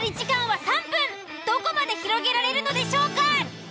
どこまで広げられるのでしょうか！？